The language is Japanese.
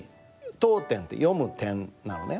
読点って「読む点」なのね。